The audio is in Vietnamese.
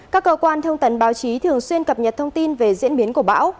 các cơ quan thông tấn báo chí thường xuyên cập nhật thông tin về diễn biến của bão